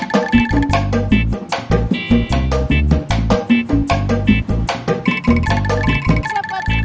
kau kenapa di kalau evan kantasi dari kita informasi ngomong apa tadi